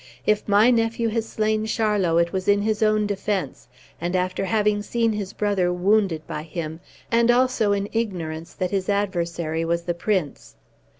If my nephew has slain Charlot it was in his own defence, and after having seen his brother wounded by him, and also in ignorance that his adversary was the prince.